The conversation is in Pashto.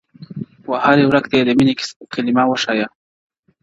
• وهر يو رگ ته يې د ميني کليمه وښايه.